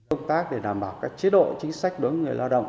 công tác để đảm bảo các chế độ chính sách đối với người lao động